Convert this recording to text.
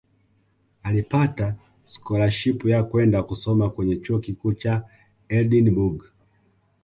Alipata skolashipu ya kwenda kusoma kwenye Chuo Kikuu cha Edinburgh